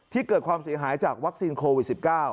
เกิดความเสียหายจากวัคซีนโควิด๑๙